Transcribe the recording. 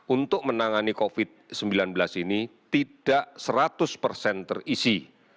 untuk menangani covid sembilan belas ini tidak seratus persen terisi